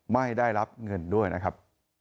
ไม่ได้รับเงินด้วยนะครับ